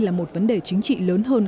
là một vấn đề chính trị lớn hơn